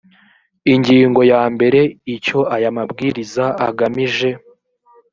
ingingo ya mbere icyo aya mabwiriza agamije